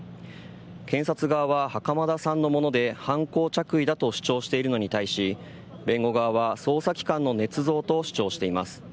警察側は袴田さんのもので犯行着衣だと主張しているのに対し弁護側は捜査機関のねつ造と主張しています。